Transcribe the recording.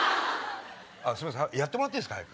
すいませんやってもらっていいですか早く。